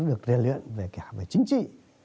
sẽ được liên luyện về cả chính trị